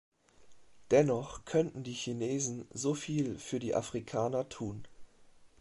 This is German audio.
Dennoch könnten die Chinesen so viel für die Afrikaner tun.